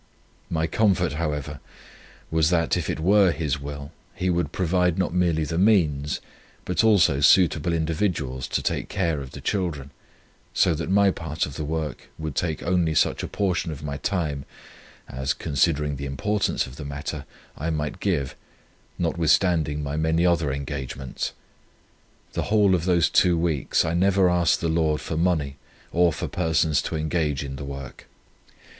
My comfort, however, was, that, if it were His will, He would provide not merely the means, but also suitable individuals to take care of the children, so that my part of the work would take only such a portion of my time, as, considering the importance of the matter, I might give, notwithstanding my many other engagements. The whole of those two weeks I never asked the Lord for money or for persons to engage in the work.